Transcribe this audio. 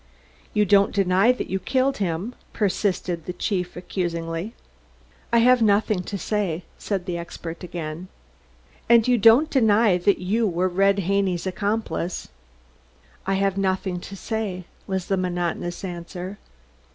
"You don't deny that you killed him?" persisted the chief accusingly. "I have nothing to say," said the expert again. "And you don't deny that you were Red Haney's accomplice?" "I have nothing to say," was the monotonous answer.